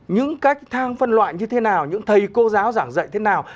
những cách thang phân loại như thế nào những thầy cô giáo giảng dạy thế nào